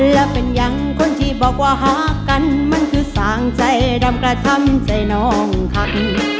และเป็นอย่างคนที่บอกว่าหากกันมันคือสางใจดำกระช่ำใจน้องครับ